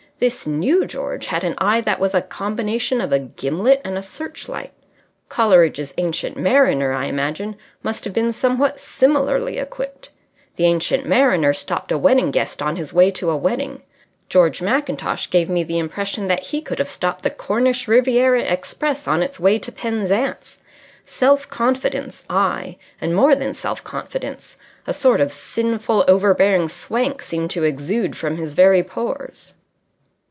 This new George had an eye that was a combination of a gimlet and a searchlight. Coleridge's Ancient Mariner, I imagine, must have been somewhat similarly equipped. The Ancient Mariner stopped a wedding guest on his way to a wedding; George Mackintosh gave me the impression that he could have stopped the Cornish Riviera express on its way to Penzance. Self confidence aye, and more than self confidence a sort of sinful, overbearing swank seemed to exude from his very pores.